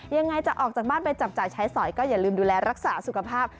ยังไงจะออกจากบ้านไปจับจ่ายใช้สอยก็อย่าลืมดูแลรักษาสุขภาพ